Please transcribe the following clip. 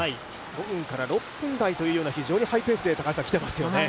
５分から６分台という非常にハイペースできていますよね。